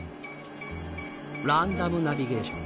ランダムナビゲーション。